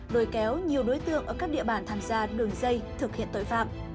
đồi kéo nhiều đối tượng ở các địa bàn tham gia đường dây thực hiện tội phạm